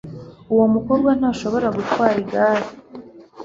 uwo mukobwa ntashobora gutwara igare